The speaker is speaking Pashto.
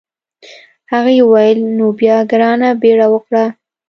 هغې وویل نو بیا ګرانه بیړه وکړه.